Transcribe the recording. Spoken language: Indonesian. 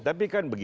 tapi kan begini